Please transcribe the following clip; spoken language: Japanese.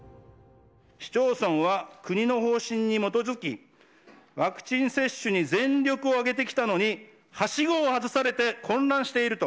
市町村は国の方針に基づき、ワクチン接種に全力を挙げてきたのにはしごを外されて混乱していると。